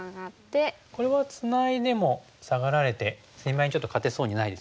これはツナいでもサガられて攻め合いにちょっと勝てそうにないですよね。